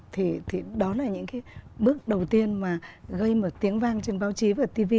thì đó là những cái bước đầu tiên mà gây một tiếng vang trên báo chí và tv